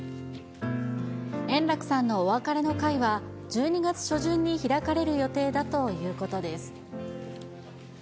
円楽さんのお別れの会は、１２月初旬に開かれる予定だということです。